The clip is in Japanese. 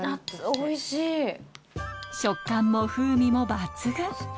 食感も風味も抜群！